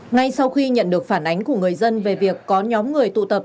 ngay sau khi nhận được phản ánh của người dân về việc có nhóm người tụ tập